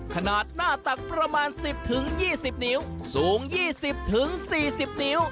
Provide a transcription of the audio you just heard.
ขนาดหน้าตักประมาณ๑๐๒๐นิ้วสูง๒๐๔๐นิ้ว